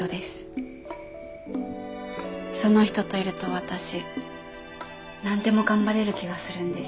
その人といると私何でも頑張れる気がするんです。